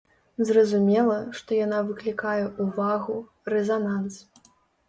Зразумела, што яна выклікае ўвагу, рэзананс.